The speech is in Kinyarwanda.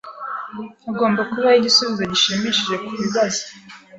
Hagomba kubaho igisubizo gishimishije kubibaza